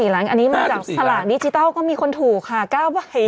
อันนี้มาจากสลากดิจิทัลก็มีคนถูกค่ะ๙ใบ